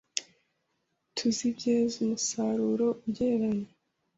tuzibyeze umuseruro ugeregere.